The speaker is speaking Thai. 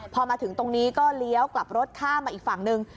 พอมาถึงตรงนี้ก็เลี้ยวกลับรถข้ามมาอีกฝั่งหนึ่ง